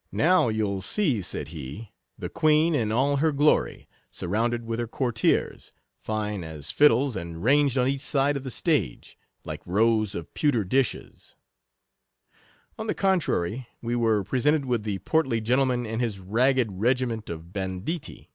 " Now you '11 see," said he, " the queen in all her glory, surrounded with her courtiers, fine as fiddles, and ranged on each side of the stage, 28 like rows of pewter dishes." On the con trary, we were presented with the portly gentleman and his ragged regiment of ban ditti.